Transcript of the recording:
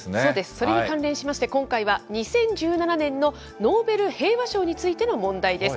それに関連しまして、今回は２０１７年のノーベル平和賞についての問題です。